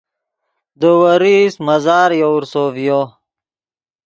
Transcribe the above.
دے ورئیست مزار یوورسو ڤیو